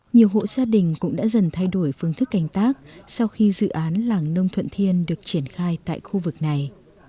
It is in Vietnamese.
nhiều hộ gia đình cũng đã dần thay đổi phương thức canh tác sau khi dự án làng nông thuận thiên được triển khai tại khu vực này